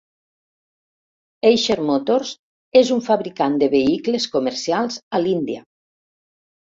Eicher Motors és un fabricant de vehicles comercials a l'Índia.